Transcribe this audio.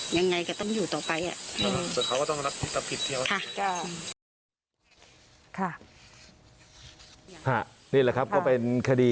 ยังไงก็ต้องอยู่ต่อไป